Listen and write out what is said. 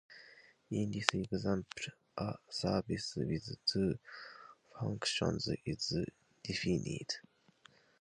In this example, a service with two functions is defined.